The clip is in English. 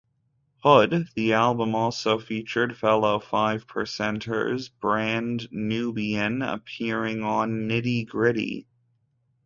Hood"; the album also featured fellow Five Percenters, Brand Nubian appearing on "Nitty Gritty.